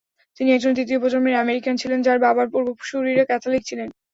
তিনি একজন তৃতীয় প্রজন্মের আমেরিকান ছিলেন, যার বাবার পূর্বসূরিরা ক্যাথলিক ছিলেন।